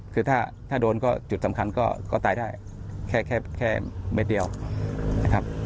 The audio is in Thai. คือถ้าโดนก็จุดสำคัญก็ตายได้แค่เม็ดเดียวนะครับ